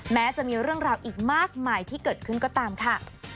แม้จะมีเรื่องราวอีกมากมายที่เกิดขึ้นก็ตามค่ะ